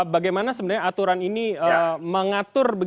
bagaimana sebenarnya aturan ini mengatur